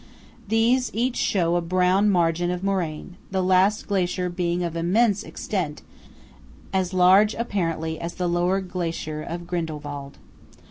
These each show a brown margin of moraine; the last glacier being of immense extent, as large apparently as the lower glacier of Grindelwald.